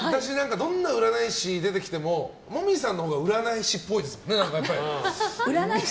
どんな占い師が出てきても紅葉さんのほうが占い師っぽいですもんね。